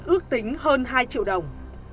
ước tính hơn hai triệu đồng